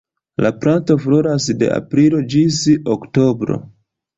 La planto floras de aprilo ĝis oktobro.